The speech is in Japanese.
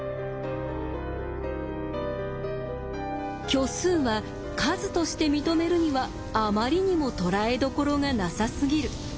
虚数は数として認めるにはあまりにもとらえどころがなさすぎる。